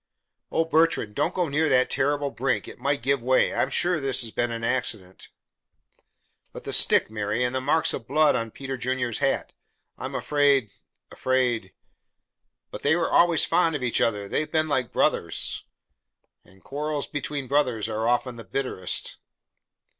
"Oh, Bertrand, don't go near that terrible brink. It might give way. I'm sure this has been an accident." "But the stick, Mary, and the marks of blood on Peter Junior's hat. I'm afraid afraid." "But they were always fond of each other. They have been like brothers." "And quarrels between brothers are often the bitterest."